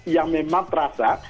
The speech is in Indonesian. yang memang terasa